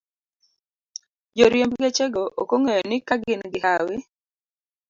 Joriemb gechego ok ong'eyo ni ka gin gi hawi